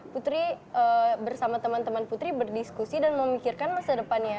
putri bersama teman teman putri berdiskusi dan memikirkan masa depannya